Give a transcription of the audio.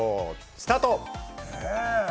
スタート！